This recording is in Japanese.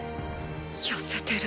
やせてる。